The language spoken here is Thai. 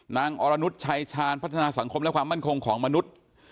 อรนุษยชัยชาญพัฒนาสังคมและความมั่นคงของมนุษย์